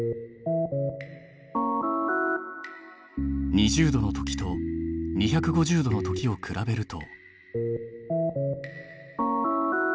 ２０℃のときと２５０℃のときを比べると。